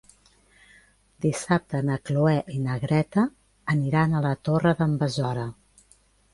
Dissabte na Cloè i na Greta aniran a la Torre d'en Besora.